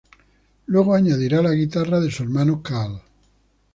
Luego añadía la guitarra de su hermano Carl.